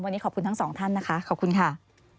วันนี้ขอบคุณทั้งสองท่านนะคะขอบคุณค่ะ